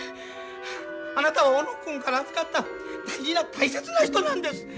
あなたは小野君から預かった大事な大切な人なんです。